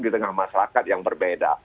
di tengah masyarakat yang berbeda